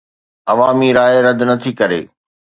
عوامي راءِ رد نه ٿي ڪري